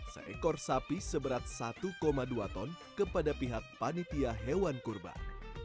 seekor sapi seberat satu dua ton kepada pihak panitia hewan kurban